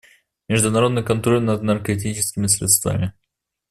Международный контроль над наркотическими средствами.